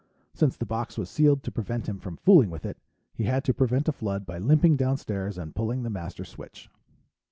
Since the box was sealed to prevent him from fooling with it, he had had to prevent a flood by limping downstairs and pulling the master switch.